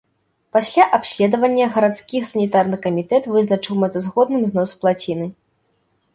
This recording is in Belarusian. Пасля абследавання гарадскі санітарны камітэт вызначыў мэтазгодным знос плаціны.